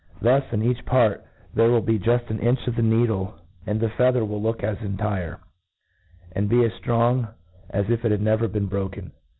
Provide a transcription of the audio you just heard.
Thus, in each part^thore will he juft an inch of the needle, and the tf6 A T RE ATISE D^ the feather will look as intire, and be as ftroiigj as if it had never been broken.